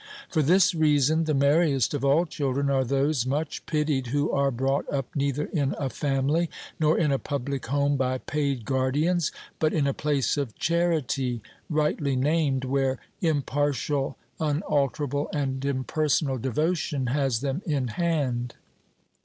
For this reason the merriest of all children are those, much pitied, who are brought up neither in a family nor in a public home by paid guardians, but in a place of charity, rightly named, where impartial, unalterable, and impersonal devotion has them in hand.